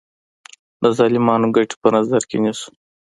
د ظالمانو ګټې په نظر کې نیسو.